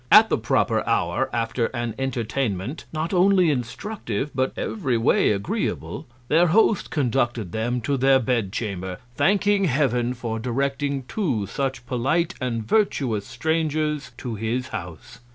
At the proper Hour, after an Entertainment, not only instructive, but ev'ry way agreeable, their Host conducted them to their Bed chamber, thanking Heaven for directing two such polite and virtuous Strangers to his House.